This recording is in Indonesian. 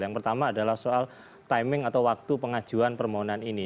yang pertama adalah soal timing atau waktu pengajuan permohonan ini